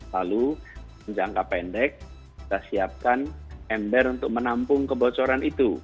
lalu jangka pendek kita siapkan ember untuk menampung kebocoran itu